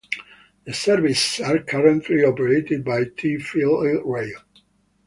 The services are currently operated by TfL Rail.